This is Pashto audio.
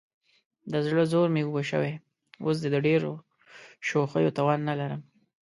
د زړه زور مې اوبه شوی، اوس دې د ډېرو شوخیو توان نه لرم.